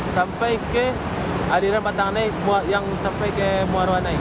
sampai ke hadiran pantang naik yang sampai ke muarwa naik